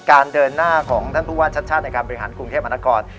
การเดินหน้าของท่านผู้ว่าชัดชาติในการบริหารกรุงเทพมหานคร